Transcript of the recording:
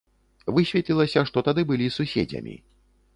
Высветлілася, што тады былі суседзямі.